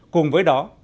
cùng với đó